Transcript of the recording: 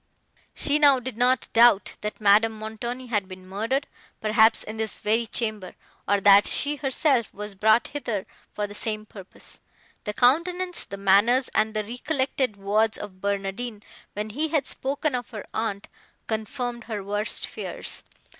She now did not doubt, that Madame Montoni had been murdered, perhaps in this very chamber; or that she herself was brought hither for the same purpose. The countenance, the manners and the recollected words of Barnardine, when he had spoken of her aunt, confirmed her worst fears.